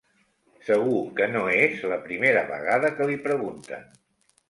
Segur que no és la primera vegada que li pregunten.